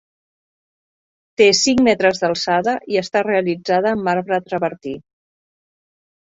Té cinc metres d'alçada, i està realitzada en marbre travertí.